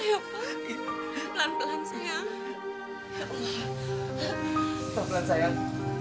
ya pak pelan pelan sayang